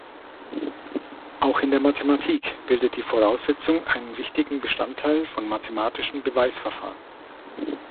Auch in der Mathematik bildet die Voraussetzung einen wichtigen Bestandteil von mathematischen Beweisverfahren.